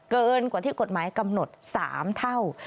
เกินกว่าที่กฎหมายกำหนด๓เท่า